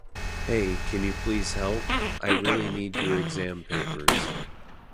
Hey, can you please help? I really need your exam papers.